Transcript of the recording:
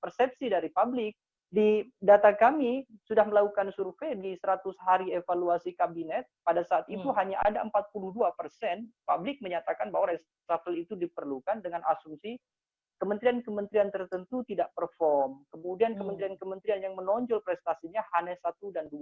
persepsi dari publik di data kami sudah melakukan survei di seratus hari evaluasi kabinet pada saat itu hanya ada empat puluh dua persen publik menyatakan bahwa reshuffle itu diperlukan dengan asumsi kementerian kementerian tertentu tidak perform kemudian kementerian kementerian yang menonjol prestasinya hanya satu dan dua